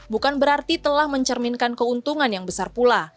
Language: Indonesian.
bukan berarti telah mencerminkan keuntungan yang besar pula